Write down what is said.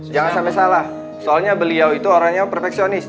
takkan sampai salah soalnya beliau orangnya itu pereksesonis